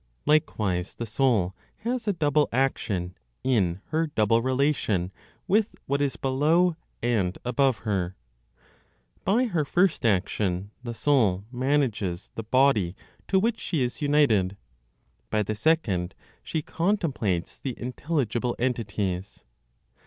Likewise, the soul has a double action in her double relation with what is below and above her. By her first action, the soul manages the body to which she is united; by the second, she contemplates the intelligible entities.